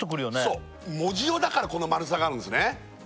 そう藻塩だからこのまるさがあるんですね